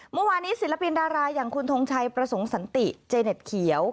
เมื่อวานนี้ศิลปินดาราอย่างคุณทงชัยประสงค์สันติเจเน็ตเขียว